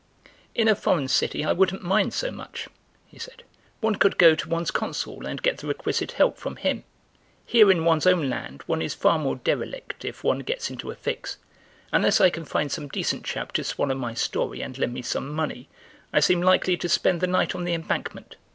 "In a foreign city I wouldn't mind so much," he said; "one could go to one's Consul and get the requisite help from him. Here in one's own land one is far more derelict if one gets into a fix. Unless I can find some decent chap to swallow my story and lend me some money I seem likely to spend the night on the Embankment.